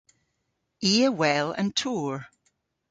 I a wel an tour.